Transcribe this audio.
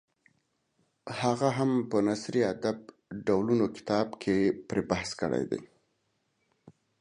هغه هم په نثري ادب ډولونه کتاب کې پرې بحث کړی دی.